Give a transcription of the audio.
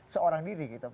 seorang diri gitu